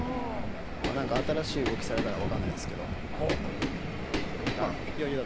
何か新しい動きされたら分からないですけど。